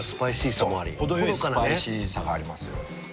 程よいスパイシーさがありますよ。